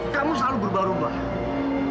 kamu selalu berubah ubah